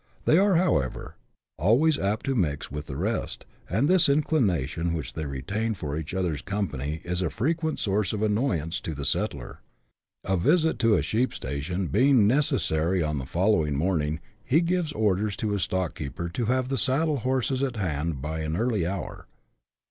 They are, how ever, always apt to mix with the rest, and this inclination which they retain for each other's company is a frequent source of annoyance to the settler. A visit to a sheep station being neces sary on the following morning, he gives orders to his stock keeper to have the saddle horses at hand by an early hour.